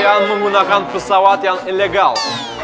yang menggunakan pesawat yang ilegal